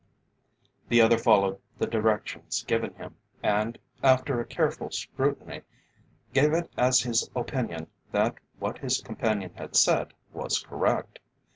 The other followed the directions given him, and, after a careful scrutiny, gave it as his opinion that what his companion had said was correct.